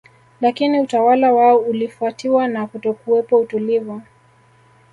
Lakini utawala wao ulifuatiwa na kutokuwepo utulivu